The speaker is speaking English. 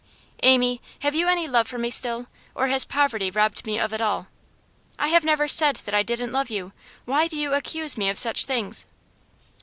'Amy, have you any love for me still, or has poverty robbed me of it all?' 'I have never said that I didn't love you. Why do you accuse me of such things?